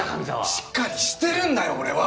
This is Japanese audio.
しっかりしてるんだよ俺は！